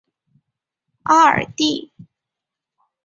阿尔蒂。